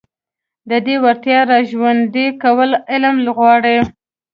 د دې وړتيا راژوندي کول علم غواړي.